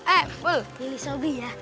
eh bu pilih sobri ya